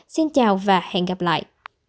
xin chào và hẹn gặp lại